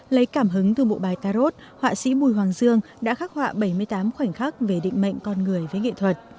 lấy cảm hứng từ bộ bài tarot họa sĩ mùi hoàng dương đã khắc họa bảy mươi tám khoảnh khắc về định mệnh con người với nghệ thuật